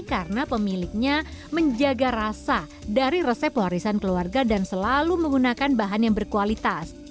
karena pemiliknya menjaga rasa dari resep warisan keluarga dan selalu menggunakan bahan yang berkualitas